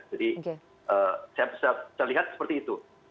jadi saya lihat seperti itu